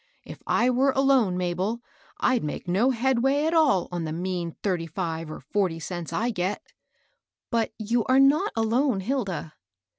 If I were HILDA A SEWING GIRL. 67 alone, Mabel, I'd make no headway at all on the mean thirty five or forty cents I get.'* *' But you are not alone, Hilda."